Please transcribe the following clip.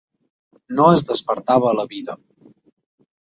No es despertava a la vida.